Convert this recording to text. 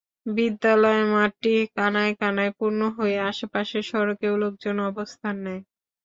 বিদ্যালয় মাঠটি কানায় কানায় পূর্ণ হয়ে আশপাশের সড়কেও লোকজন অবস্থান নেয়।